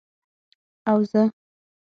او زه،